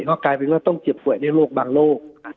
ก็กลายเป็นว่าต้องเจ็บป่วยในโรคบางโรค